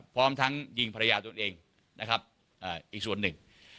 พร้อมทั้งยิงภรรยาตนเองนะครับอีกส่วนหนึ่ง